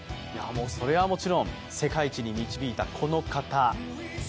それはもちろん、世界一に導いたこの方。